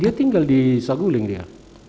dia tinggal di saguling dia